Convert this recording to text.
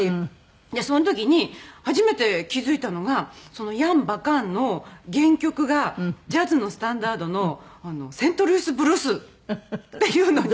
でその時に初めて気付いたのがその「いやんばかん」の原曲がジャズのスタンダードの『セントルイス・ブルース』っていうのに。